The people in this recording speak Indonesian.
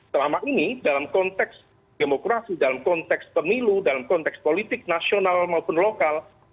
selama ini dalam konteks demokrasi dalam konteks pemilu dalam konteks politik nasional maupun lokal